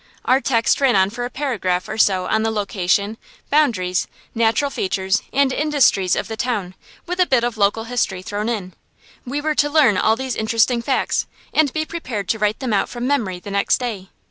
Our text ran on for a paragraph or so on the location, boundaries, natural features, and industries of the town, with a bit of local history thrown in. We were to learn all these interesting facts, and be prepared to write them out from memory the next day.